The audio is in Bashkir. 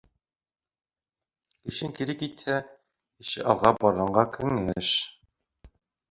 Эшең кире китһә, эше алға барғанға кәңәш